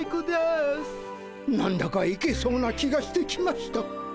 何だかいけそうな気がしてきました。